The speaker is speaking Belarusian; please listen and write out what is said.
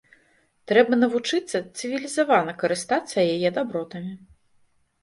Трэба навучыцца цывілізавана карыстацца яе дабротамі.